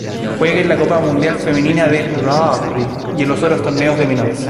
Juega en la Copa Mundial Femenina de Rugby y en otros torneos menores.